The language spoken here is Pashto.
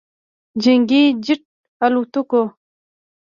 جنګي جت الوتکو